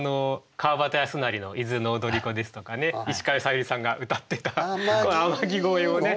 川端康成の「伊豆の踊子」ですとか石川さゆりさんが歌ってた「天城越え」をね。